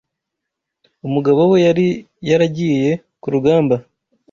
Umugabo we yari yaragiye ku rugamba.